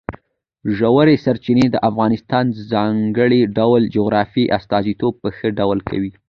ژورې سرچینې د افغانستان د ځانګړي ډول جغرافیې استازیتوب په ښه ډول کوي.